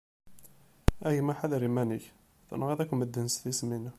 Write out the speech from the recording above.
A gma ḥder iman-ik, tenɣiḍ akk medden s tismin.